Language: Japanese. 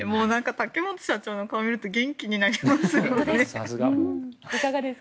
竹本社長の顔を見ると元気になります。